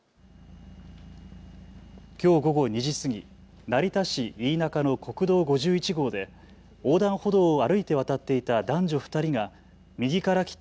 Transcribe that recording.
きょう午後２時過ぎ成田市飯仲の国道５１号で横断歩道を歩いて渡っていた男女２人が右から来た